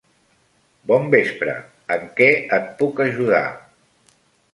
Bon vespre. En què et puc ajudar?